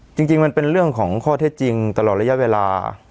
จริงมันเป็นเรื่องของข้อเท็จจริงตลอดระยะเวลา